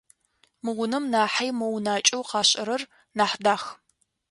Мы унэм нахьи мо унакӏэу къашӏырэр нахь дах.